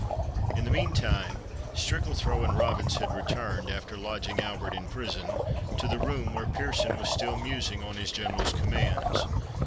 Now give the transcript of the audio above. In the meantime, Strickalthrow and Robins had returned, after lodging Albert in prison, to the room where Pearson was still musing on his General's commands.